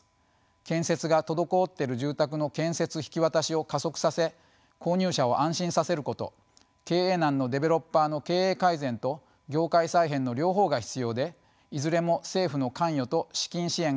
建設が滞っている住宅の建設・引き渡しを加速させ購入者を安心させること経営難のデベロッパーの経営改善と業界再編の両方が必要でいずれも政府の関与と資金支援が不可欠です。